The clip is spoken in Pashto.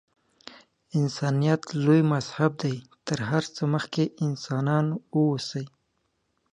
انسانیت لوی مذهب دی. تر هر څه مخکې انسانان اوسئ.